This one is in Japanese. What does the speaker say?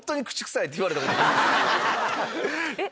えっ。